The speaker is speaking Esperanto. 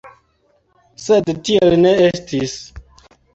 Sed tiel ne estis.